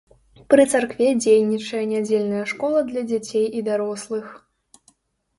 Пры царкве дзейнічае нядзельная школа для дзяцей і дарослых.